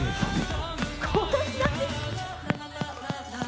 こんなに？